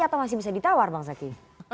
atau masih bisa ditawar bang zaky